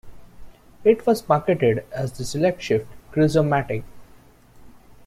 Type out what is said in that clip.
It was marketed as the "SelectShift Cruise-O-Matic".